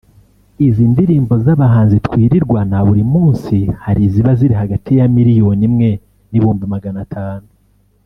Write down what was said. izi ndirimbo z’abahanzi twirirwana buri munsi hari iziba ziri hagati ya miliyoni imwe n’ibihumbi Magana atanu